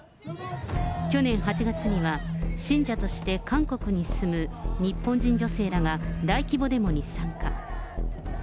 去年８月には、信者として韓国に住む、日本人女性らが大規模デモに参加。